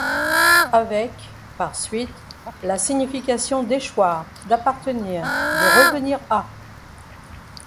Avec - par suite - la signification d'échoir, d'appartenir, de revenir à.